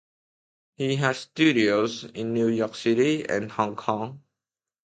He has studios in New York City and Hong Kong.